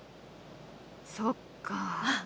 そっかー。